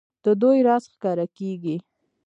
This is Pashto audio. د دوی راز ښکاره کېږي.